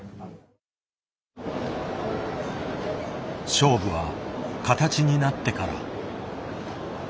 勝負は形になってから。